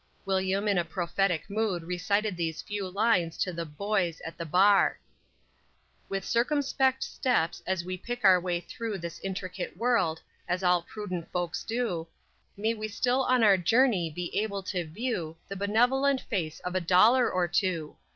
William in a prophetic mood recited these few lines to the "boys" at the bar: _With circumspect steps as we pick our way through This intricate world, as all prudent folks do, May we still on our journey be able to view The benevolent face of a dollar or two.